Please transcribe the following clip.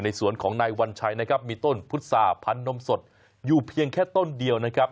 สวนของนายวัญชัยนะครับมีต้นพุษาพันนมสดอยู่เพียงแค่ต้นเดียวนะครับ